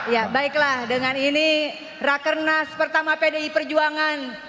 ya baiklah dengan ini rakernas pertama pdi perjuangan